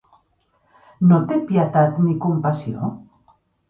No té pietat ni compassió?